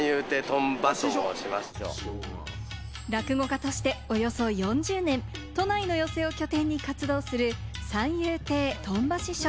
落語家としておよそ４０年、都内の寄席を拠点に活動する三遊亭とん馬師匠。